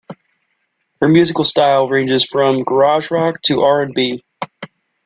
Her musical style ranges from garage rock to R and B.